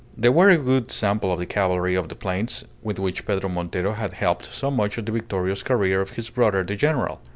They were a good sample of the cavalry of the plains with which Pedro Montero had helped so much the victorious career of his brother the general.